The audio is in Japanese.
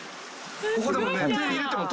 ここでもね。